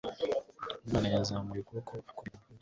umwana yazamuye ukuboko akubita imbwa